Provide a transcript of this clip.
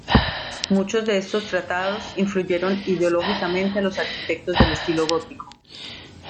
Muchos de estos tratados influyeron ideológicamente a los arquitectos del estilo gótico.